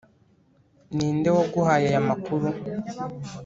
ninde waguhaye aya makuru?